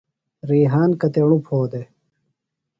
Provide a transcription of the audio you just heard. ریحان کتیݨوۡ پھو دےۡ؟